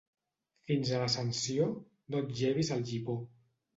Fins a l'Ascensió, no et llevis el gipó.